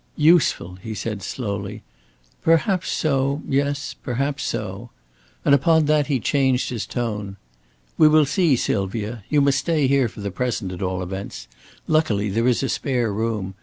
"Useful," he said, slowly. "Perhaps so, yes, perhaps so." And upon that he changed his tone. "We will see, Sylvia. You must stay here for the present, at all events. Luckily, there is a spare room.